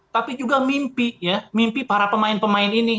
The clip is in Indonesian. tapi juga mimpi ya mimpi para pemain pemain ini